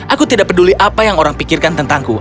aku tidak peduli apa yang orang pikirkan tentangku